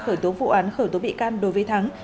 khởi tố vụ án khởi tố bị can đối với thắng